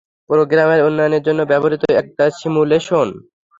প্রোগ্রামের উন্নয়নের জন্য ব্যবহৃত একটা সিমুলেশন।